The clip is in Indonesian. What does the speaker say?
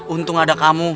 untung ada kamu